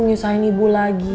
nyusahin ibu lagi